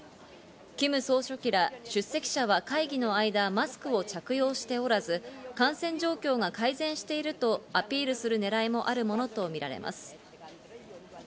キム総書記ら出席者は会議の間、マスクを着用しておらず、感染状況が改善しているとアピールするねらいもあるものとみられます。